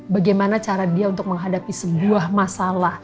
bagaimana cara dia untuk menghadapi sebuah masalah